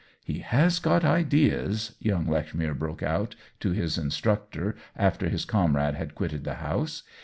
" He has got ideas !" young Lechmere broke out to his instructor after his comrade had quitted the house.